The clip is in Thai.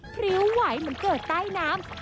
พริ้วไหวเหมือนเกิดใต้น้ำ